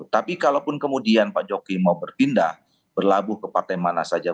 tapi kalaupun kemudian pak jokowi mau berpindah berlabuh ke partai mana saja